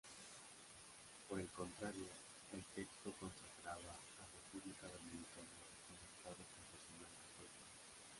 Por el contrario, el texto consagraba a República Dominicana como Estado confesional católico.